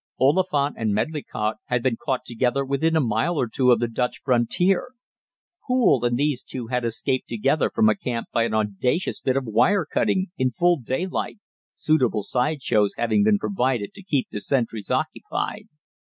Oliphant and Medlicott had been caught together within a mile or two of the Dutch frontier. Poole and these two had escaped together from a camp by an audacious bit of wire cutting in full daylight, suitable side shows having been provided to keep the sentries occupied.